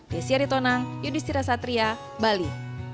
desy aritonang yudhistira satria bali